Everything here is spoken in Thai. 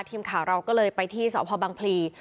ทีมข่าวเราก็เลยไปที่สพบังพลี